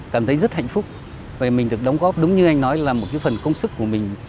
cảm thấy rất hạnh phúc và mình được đóng góp đúng như anh nói là một cái phần công sức của mình